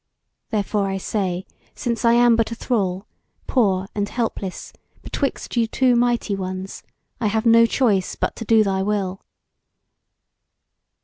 Therefore I say, since I am but a thrall, poor and helpless, betwixt you two mighty ones, I have no choice but to do thy will."